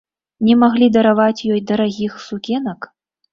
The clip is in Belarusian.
Не маглі дараваць ёй дарагіх сукенак?